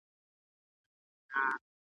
کارکوونکي خپل وخت تنظیموي.